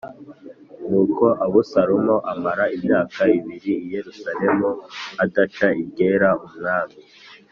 Nuko Abusalomu amara imyaka ibiri i Yerusalemu, adaca iryera umwami.